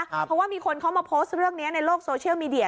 เพราะว่ามีคนเขามาโพสต์เรื่องนี้ในโลกโซเชียลมีเดีย